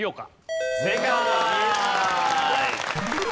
正解！